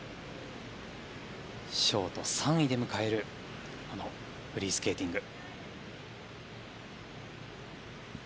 ショート３位で迎えるこのフリースケーティング。